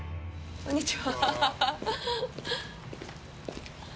こんにちは。